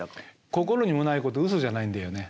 心にもないことウソじゃないんだよね。